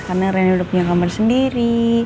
karena reni udah punya kamar sendiri